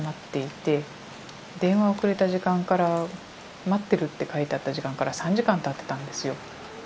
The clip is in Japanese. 電話をくれた時間から待ってるって書いてあった時間から３時間たってたんですよ。